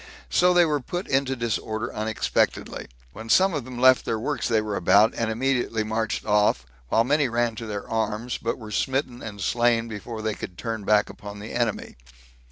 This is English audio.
So they were put into disorder unexpectedly; when some of them left their works they were about, and immediately marched off, while many ran to their arms, but were smitten and slain before they could turn back upon the enemy.